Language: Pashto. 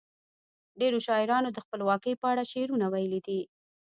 ډیرو شاعرانو د خپلواکۍ په اړه شعرونه ویلي دي.